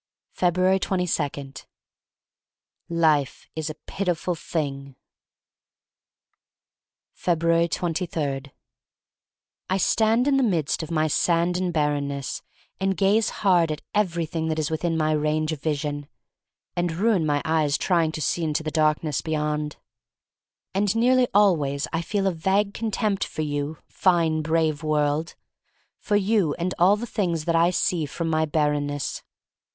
febtnarg 22. IFE is a pitiful thing. Jfebruars 23* I STAND in the midst of my sand and barrenness and gaze hard at everything that is within my range of vision — and ruin my eyes trying to see into the darkness beyond. And nearly always I feel a vague contempt for you, fine, brave world — for you and all the things that I see from my barrenness.